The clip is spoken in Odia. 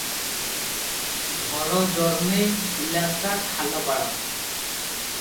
ଘର ଜୋରମେ ଇଲାକା ଖାଲପାଳ ।